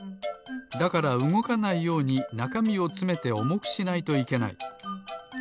だからうごかないようになかみをつめておもくしないといけない。